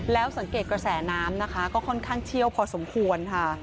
แล้วสังเกตกระแสน้ำนะคะก็ค่อนข้างเชี่ยวพอสมควรค่ะ